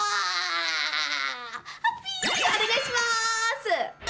お願いします！